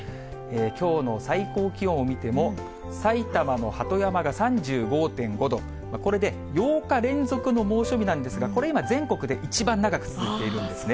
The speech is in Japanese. きょうの最高気温を見ても、埼玉の鳩山が３５．５度、これで８日連続の猛暑日なんですが、これ、今、全国で一番長く続いているんですね。